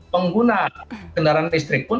pengguna kendaraan listrik pun